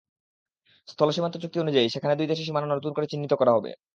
স্থলসীমান্ত চুক্তি অনুযায়ী সেখানে দুই দেশের সীমানা নতুন করে চিহ্নিত করা হবে।